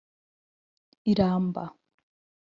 Iramba